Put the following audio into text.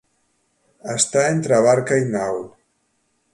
Estar entre barca i nau.